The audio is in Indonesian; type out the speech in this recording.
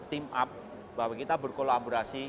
team up bahwa kita berkolaborasi